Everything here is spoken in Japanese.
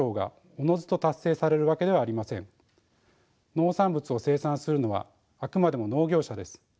農産物を生産するのはあくまでも農業者です。